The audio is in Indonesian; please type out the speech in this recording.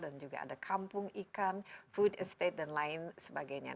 dan juga ada kampung ikan food estate dan lain sebagainya